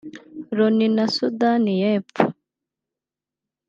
Loni na Sudani y’Epfo